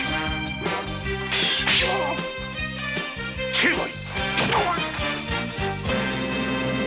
成敗！